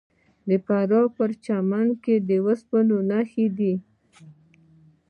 د فراه په پرچمن کې د وسپنې نښې شته.